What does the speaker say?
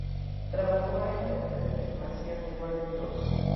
Trabajó en el estudio de animación de Warner Bros.